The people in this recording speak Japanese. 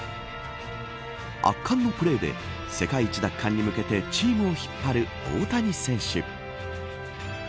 圧巻のプレーで世界一奪還に向けてチームを引っ張る大谷選手。